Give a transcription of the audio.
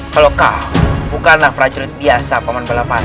kalau kau bukanlah prajurit biasa paman balapati